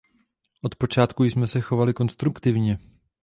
Od počátku jsme se chovali konstruktivně.